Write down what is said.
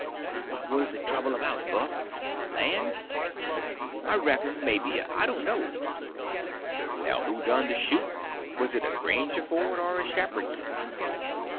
"What was the trouble about, Buck?—land?" "I reckon maybe—I don't know." "Well, who done the shooting? Was it a Grangerford or a Shepherdson?"